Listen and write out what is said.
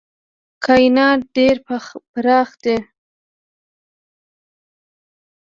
کاینات ډېر پراخ دي.